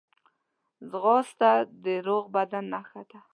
ځغاسته د روغ بدن نښه ده